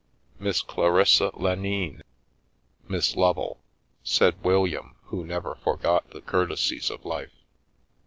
" Miss Clarissa Lenine, Miss Lovel," said William, who never forgot the courtesies of life.